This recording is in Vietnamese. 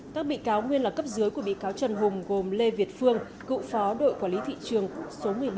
các bị cáo nguyên là cấp dưới của bị cáo trần hùng gồm lê việt phương cựu phó đội quản lý thị trường số một mươi bảy